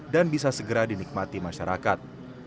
dan bisa segera dinikmati masyarakat